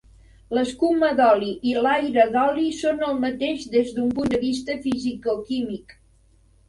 L’escuma d’oli i l'aire d'oli són el mateix des d’un punt de vista fisicoquímic.